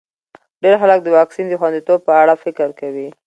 ډېر خلک د واکسین د خونديتوب په اړه فکر کوي.